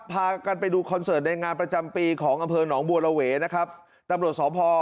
พากันไปดูคอนเสิร์ตในงานประจำปีของอำเภอหนองบัวระเวนะครับตำรวจสอบพอ